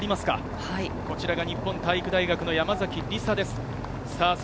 こちらが日本体育大学・山崎りさです。